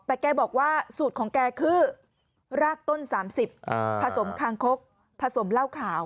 แต่แกบอกว่าสูตรของแกคือรากต้น๓๐ผสมคางคกผสมเหล้าขาว